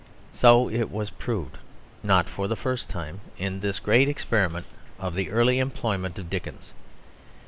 So it was proved, not for the first time, in this great experiment of the early employment of Dickens.